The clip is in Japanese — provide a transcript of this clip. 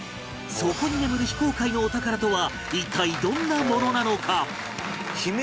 そこに眠る非公開のお宝とは一体どんなものなのか？